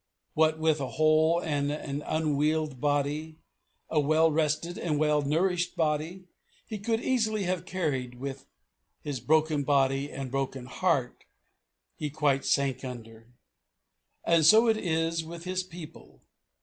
What with a whole and an unwealed body, a well rested and well nourished body, He could easily have carried, with His broken body and broken heart He quite sank under. And so it is with His people.